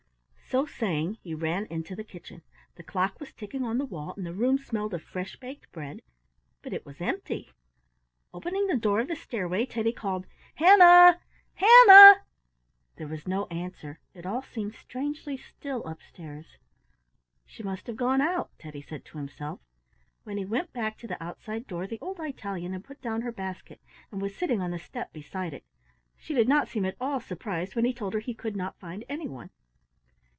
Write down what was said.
So saying he ran into the kitchen. The clock was ticking on the wall, and the room smelled of fresh baked bread, but it was empty. Opening the door of the stairway, Teddy called, "Hannah! Hannah!" There was no answer; it all seemed strangely still upstairs. "She must have gone out," Teddy said to himself. When he went back to the outside door the old Italian had put down her basket and was sitting on the step beside it. She did not seem at all surprised when he told her he could not find anyone.